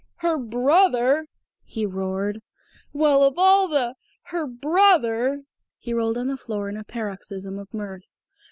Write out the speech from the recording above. "Her brother!" he roared. "Well, of all the Her brother!" He rolled on the floor in a paroxysm of mirth.